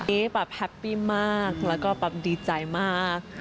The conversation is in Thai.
เฮ้แฮปปี้มากแล้วก็ดีใจมาก